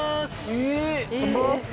えっ！？